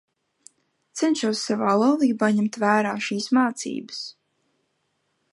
Cenšos savā laulībā ņemt vērā šīs mācības.